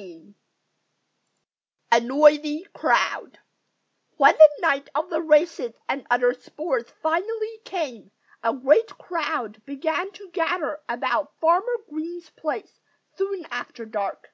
XVI A NOISY CROWD When the night of the races and other sports finally came, a great crowd began to gather about Farmer Green's place soon after dark.